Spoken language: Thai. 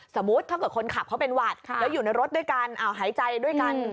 ถ้าเกิดคนขับเขาเป็นหวัดแล้วอยู่ในรถด้วยกันหายใจด้วยกัน